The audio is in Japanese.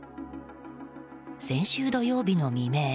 先週土曜日の未明。